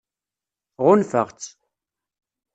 Ɣunfaɣ-tt.